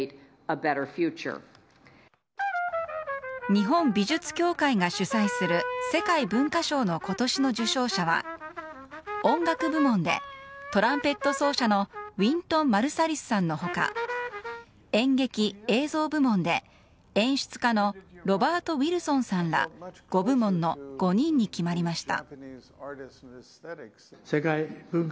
日本美術協会が主催する世界文化賞の今年の受賞者は音楽部門でトランペット奏者のウィントン・マルサリスさんの他演劇・映像部門で演出家のロバート・ウィルソンさんら５部門の５人に決まりました。